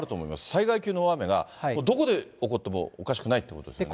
災害級の大雨がどこで起こってもおかしくないということですよね。